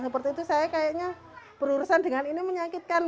seperti itu saya kayaknya berurusan dengan ini menyakitkan